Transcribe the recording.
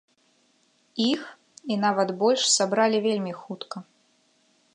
Іх, і нават больш, сабралі вельмі хутка.